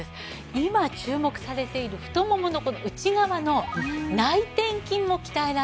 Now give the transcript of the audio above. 今注目されている太ももの内側の内転筋も鍛えられるんです。